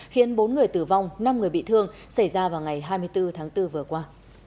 khiến bốn người tử vong năm người bị thương xảy ra vào ngày hai mươi bốn tháng bốn vừa qua